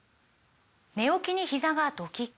寝起きにひざがドキッ！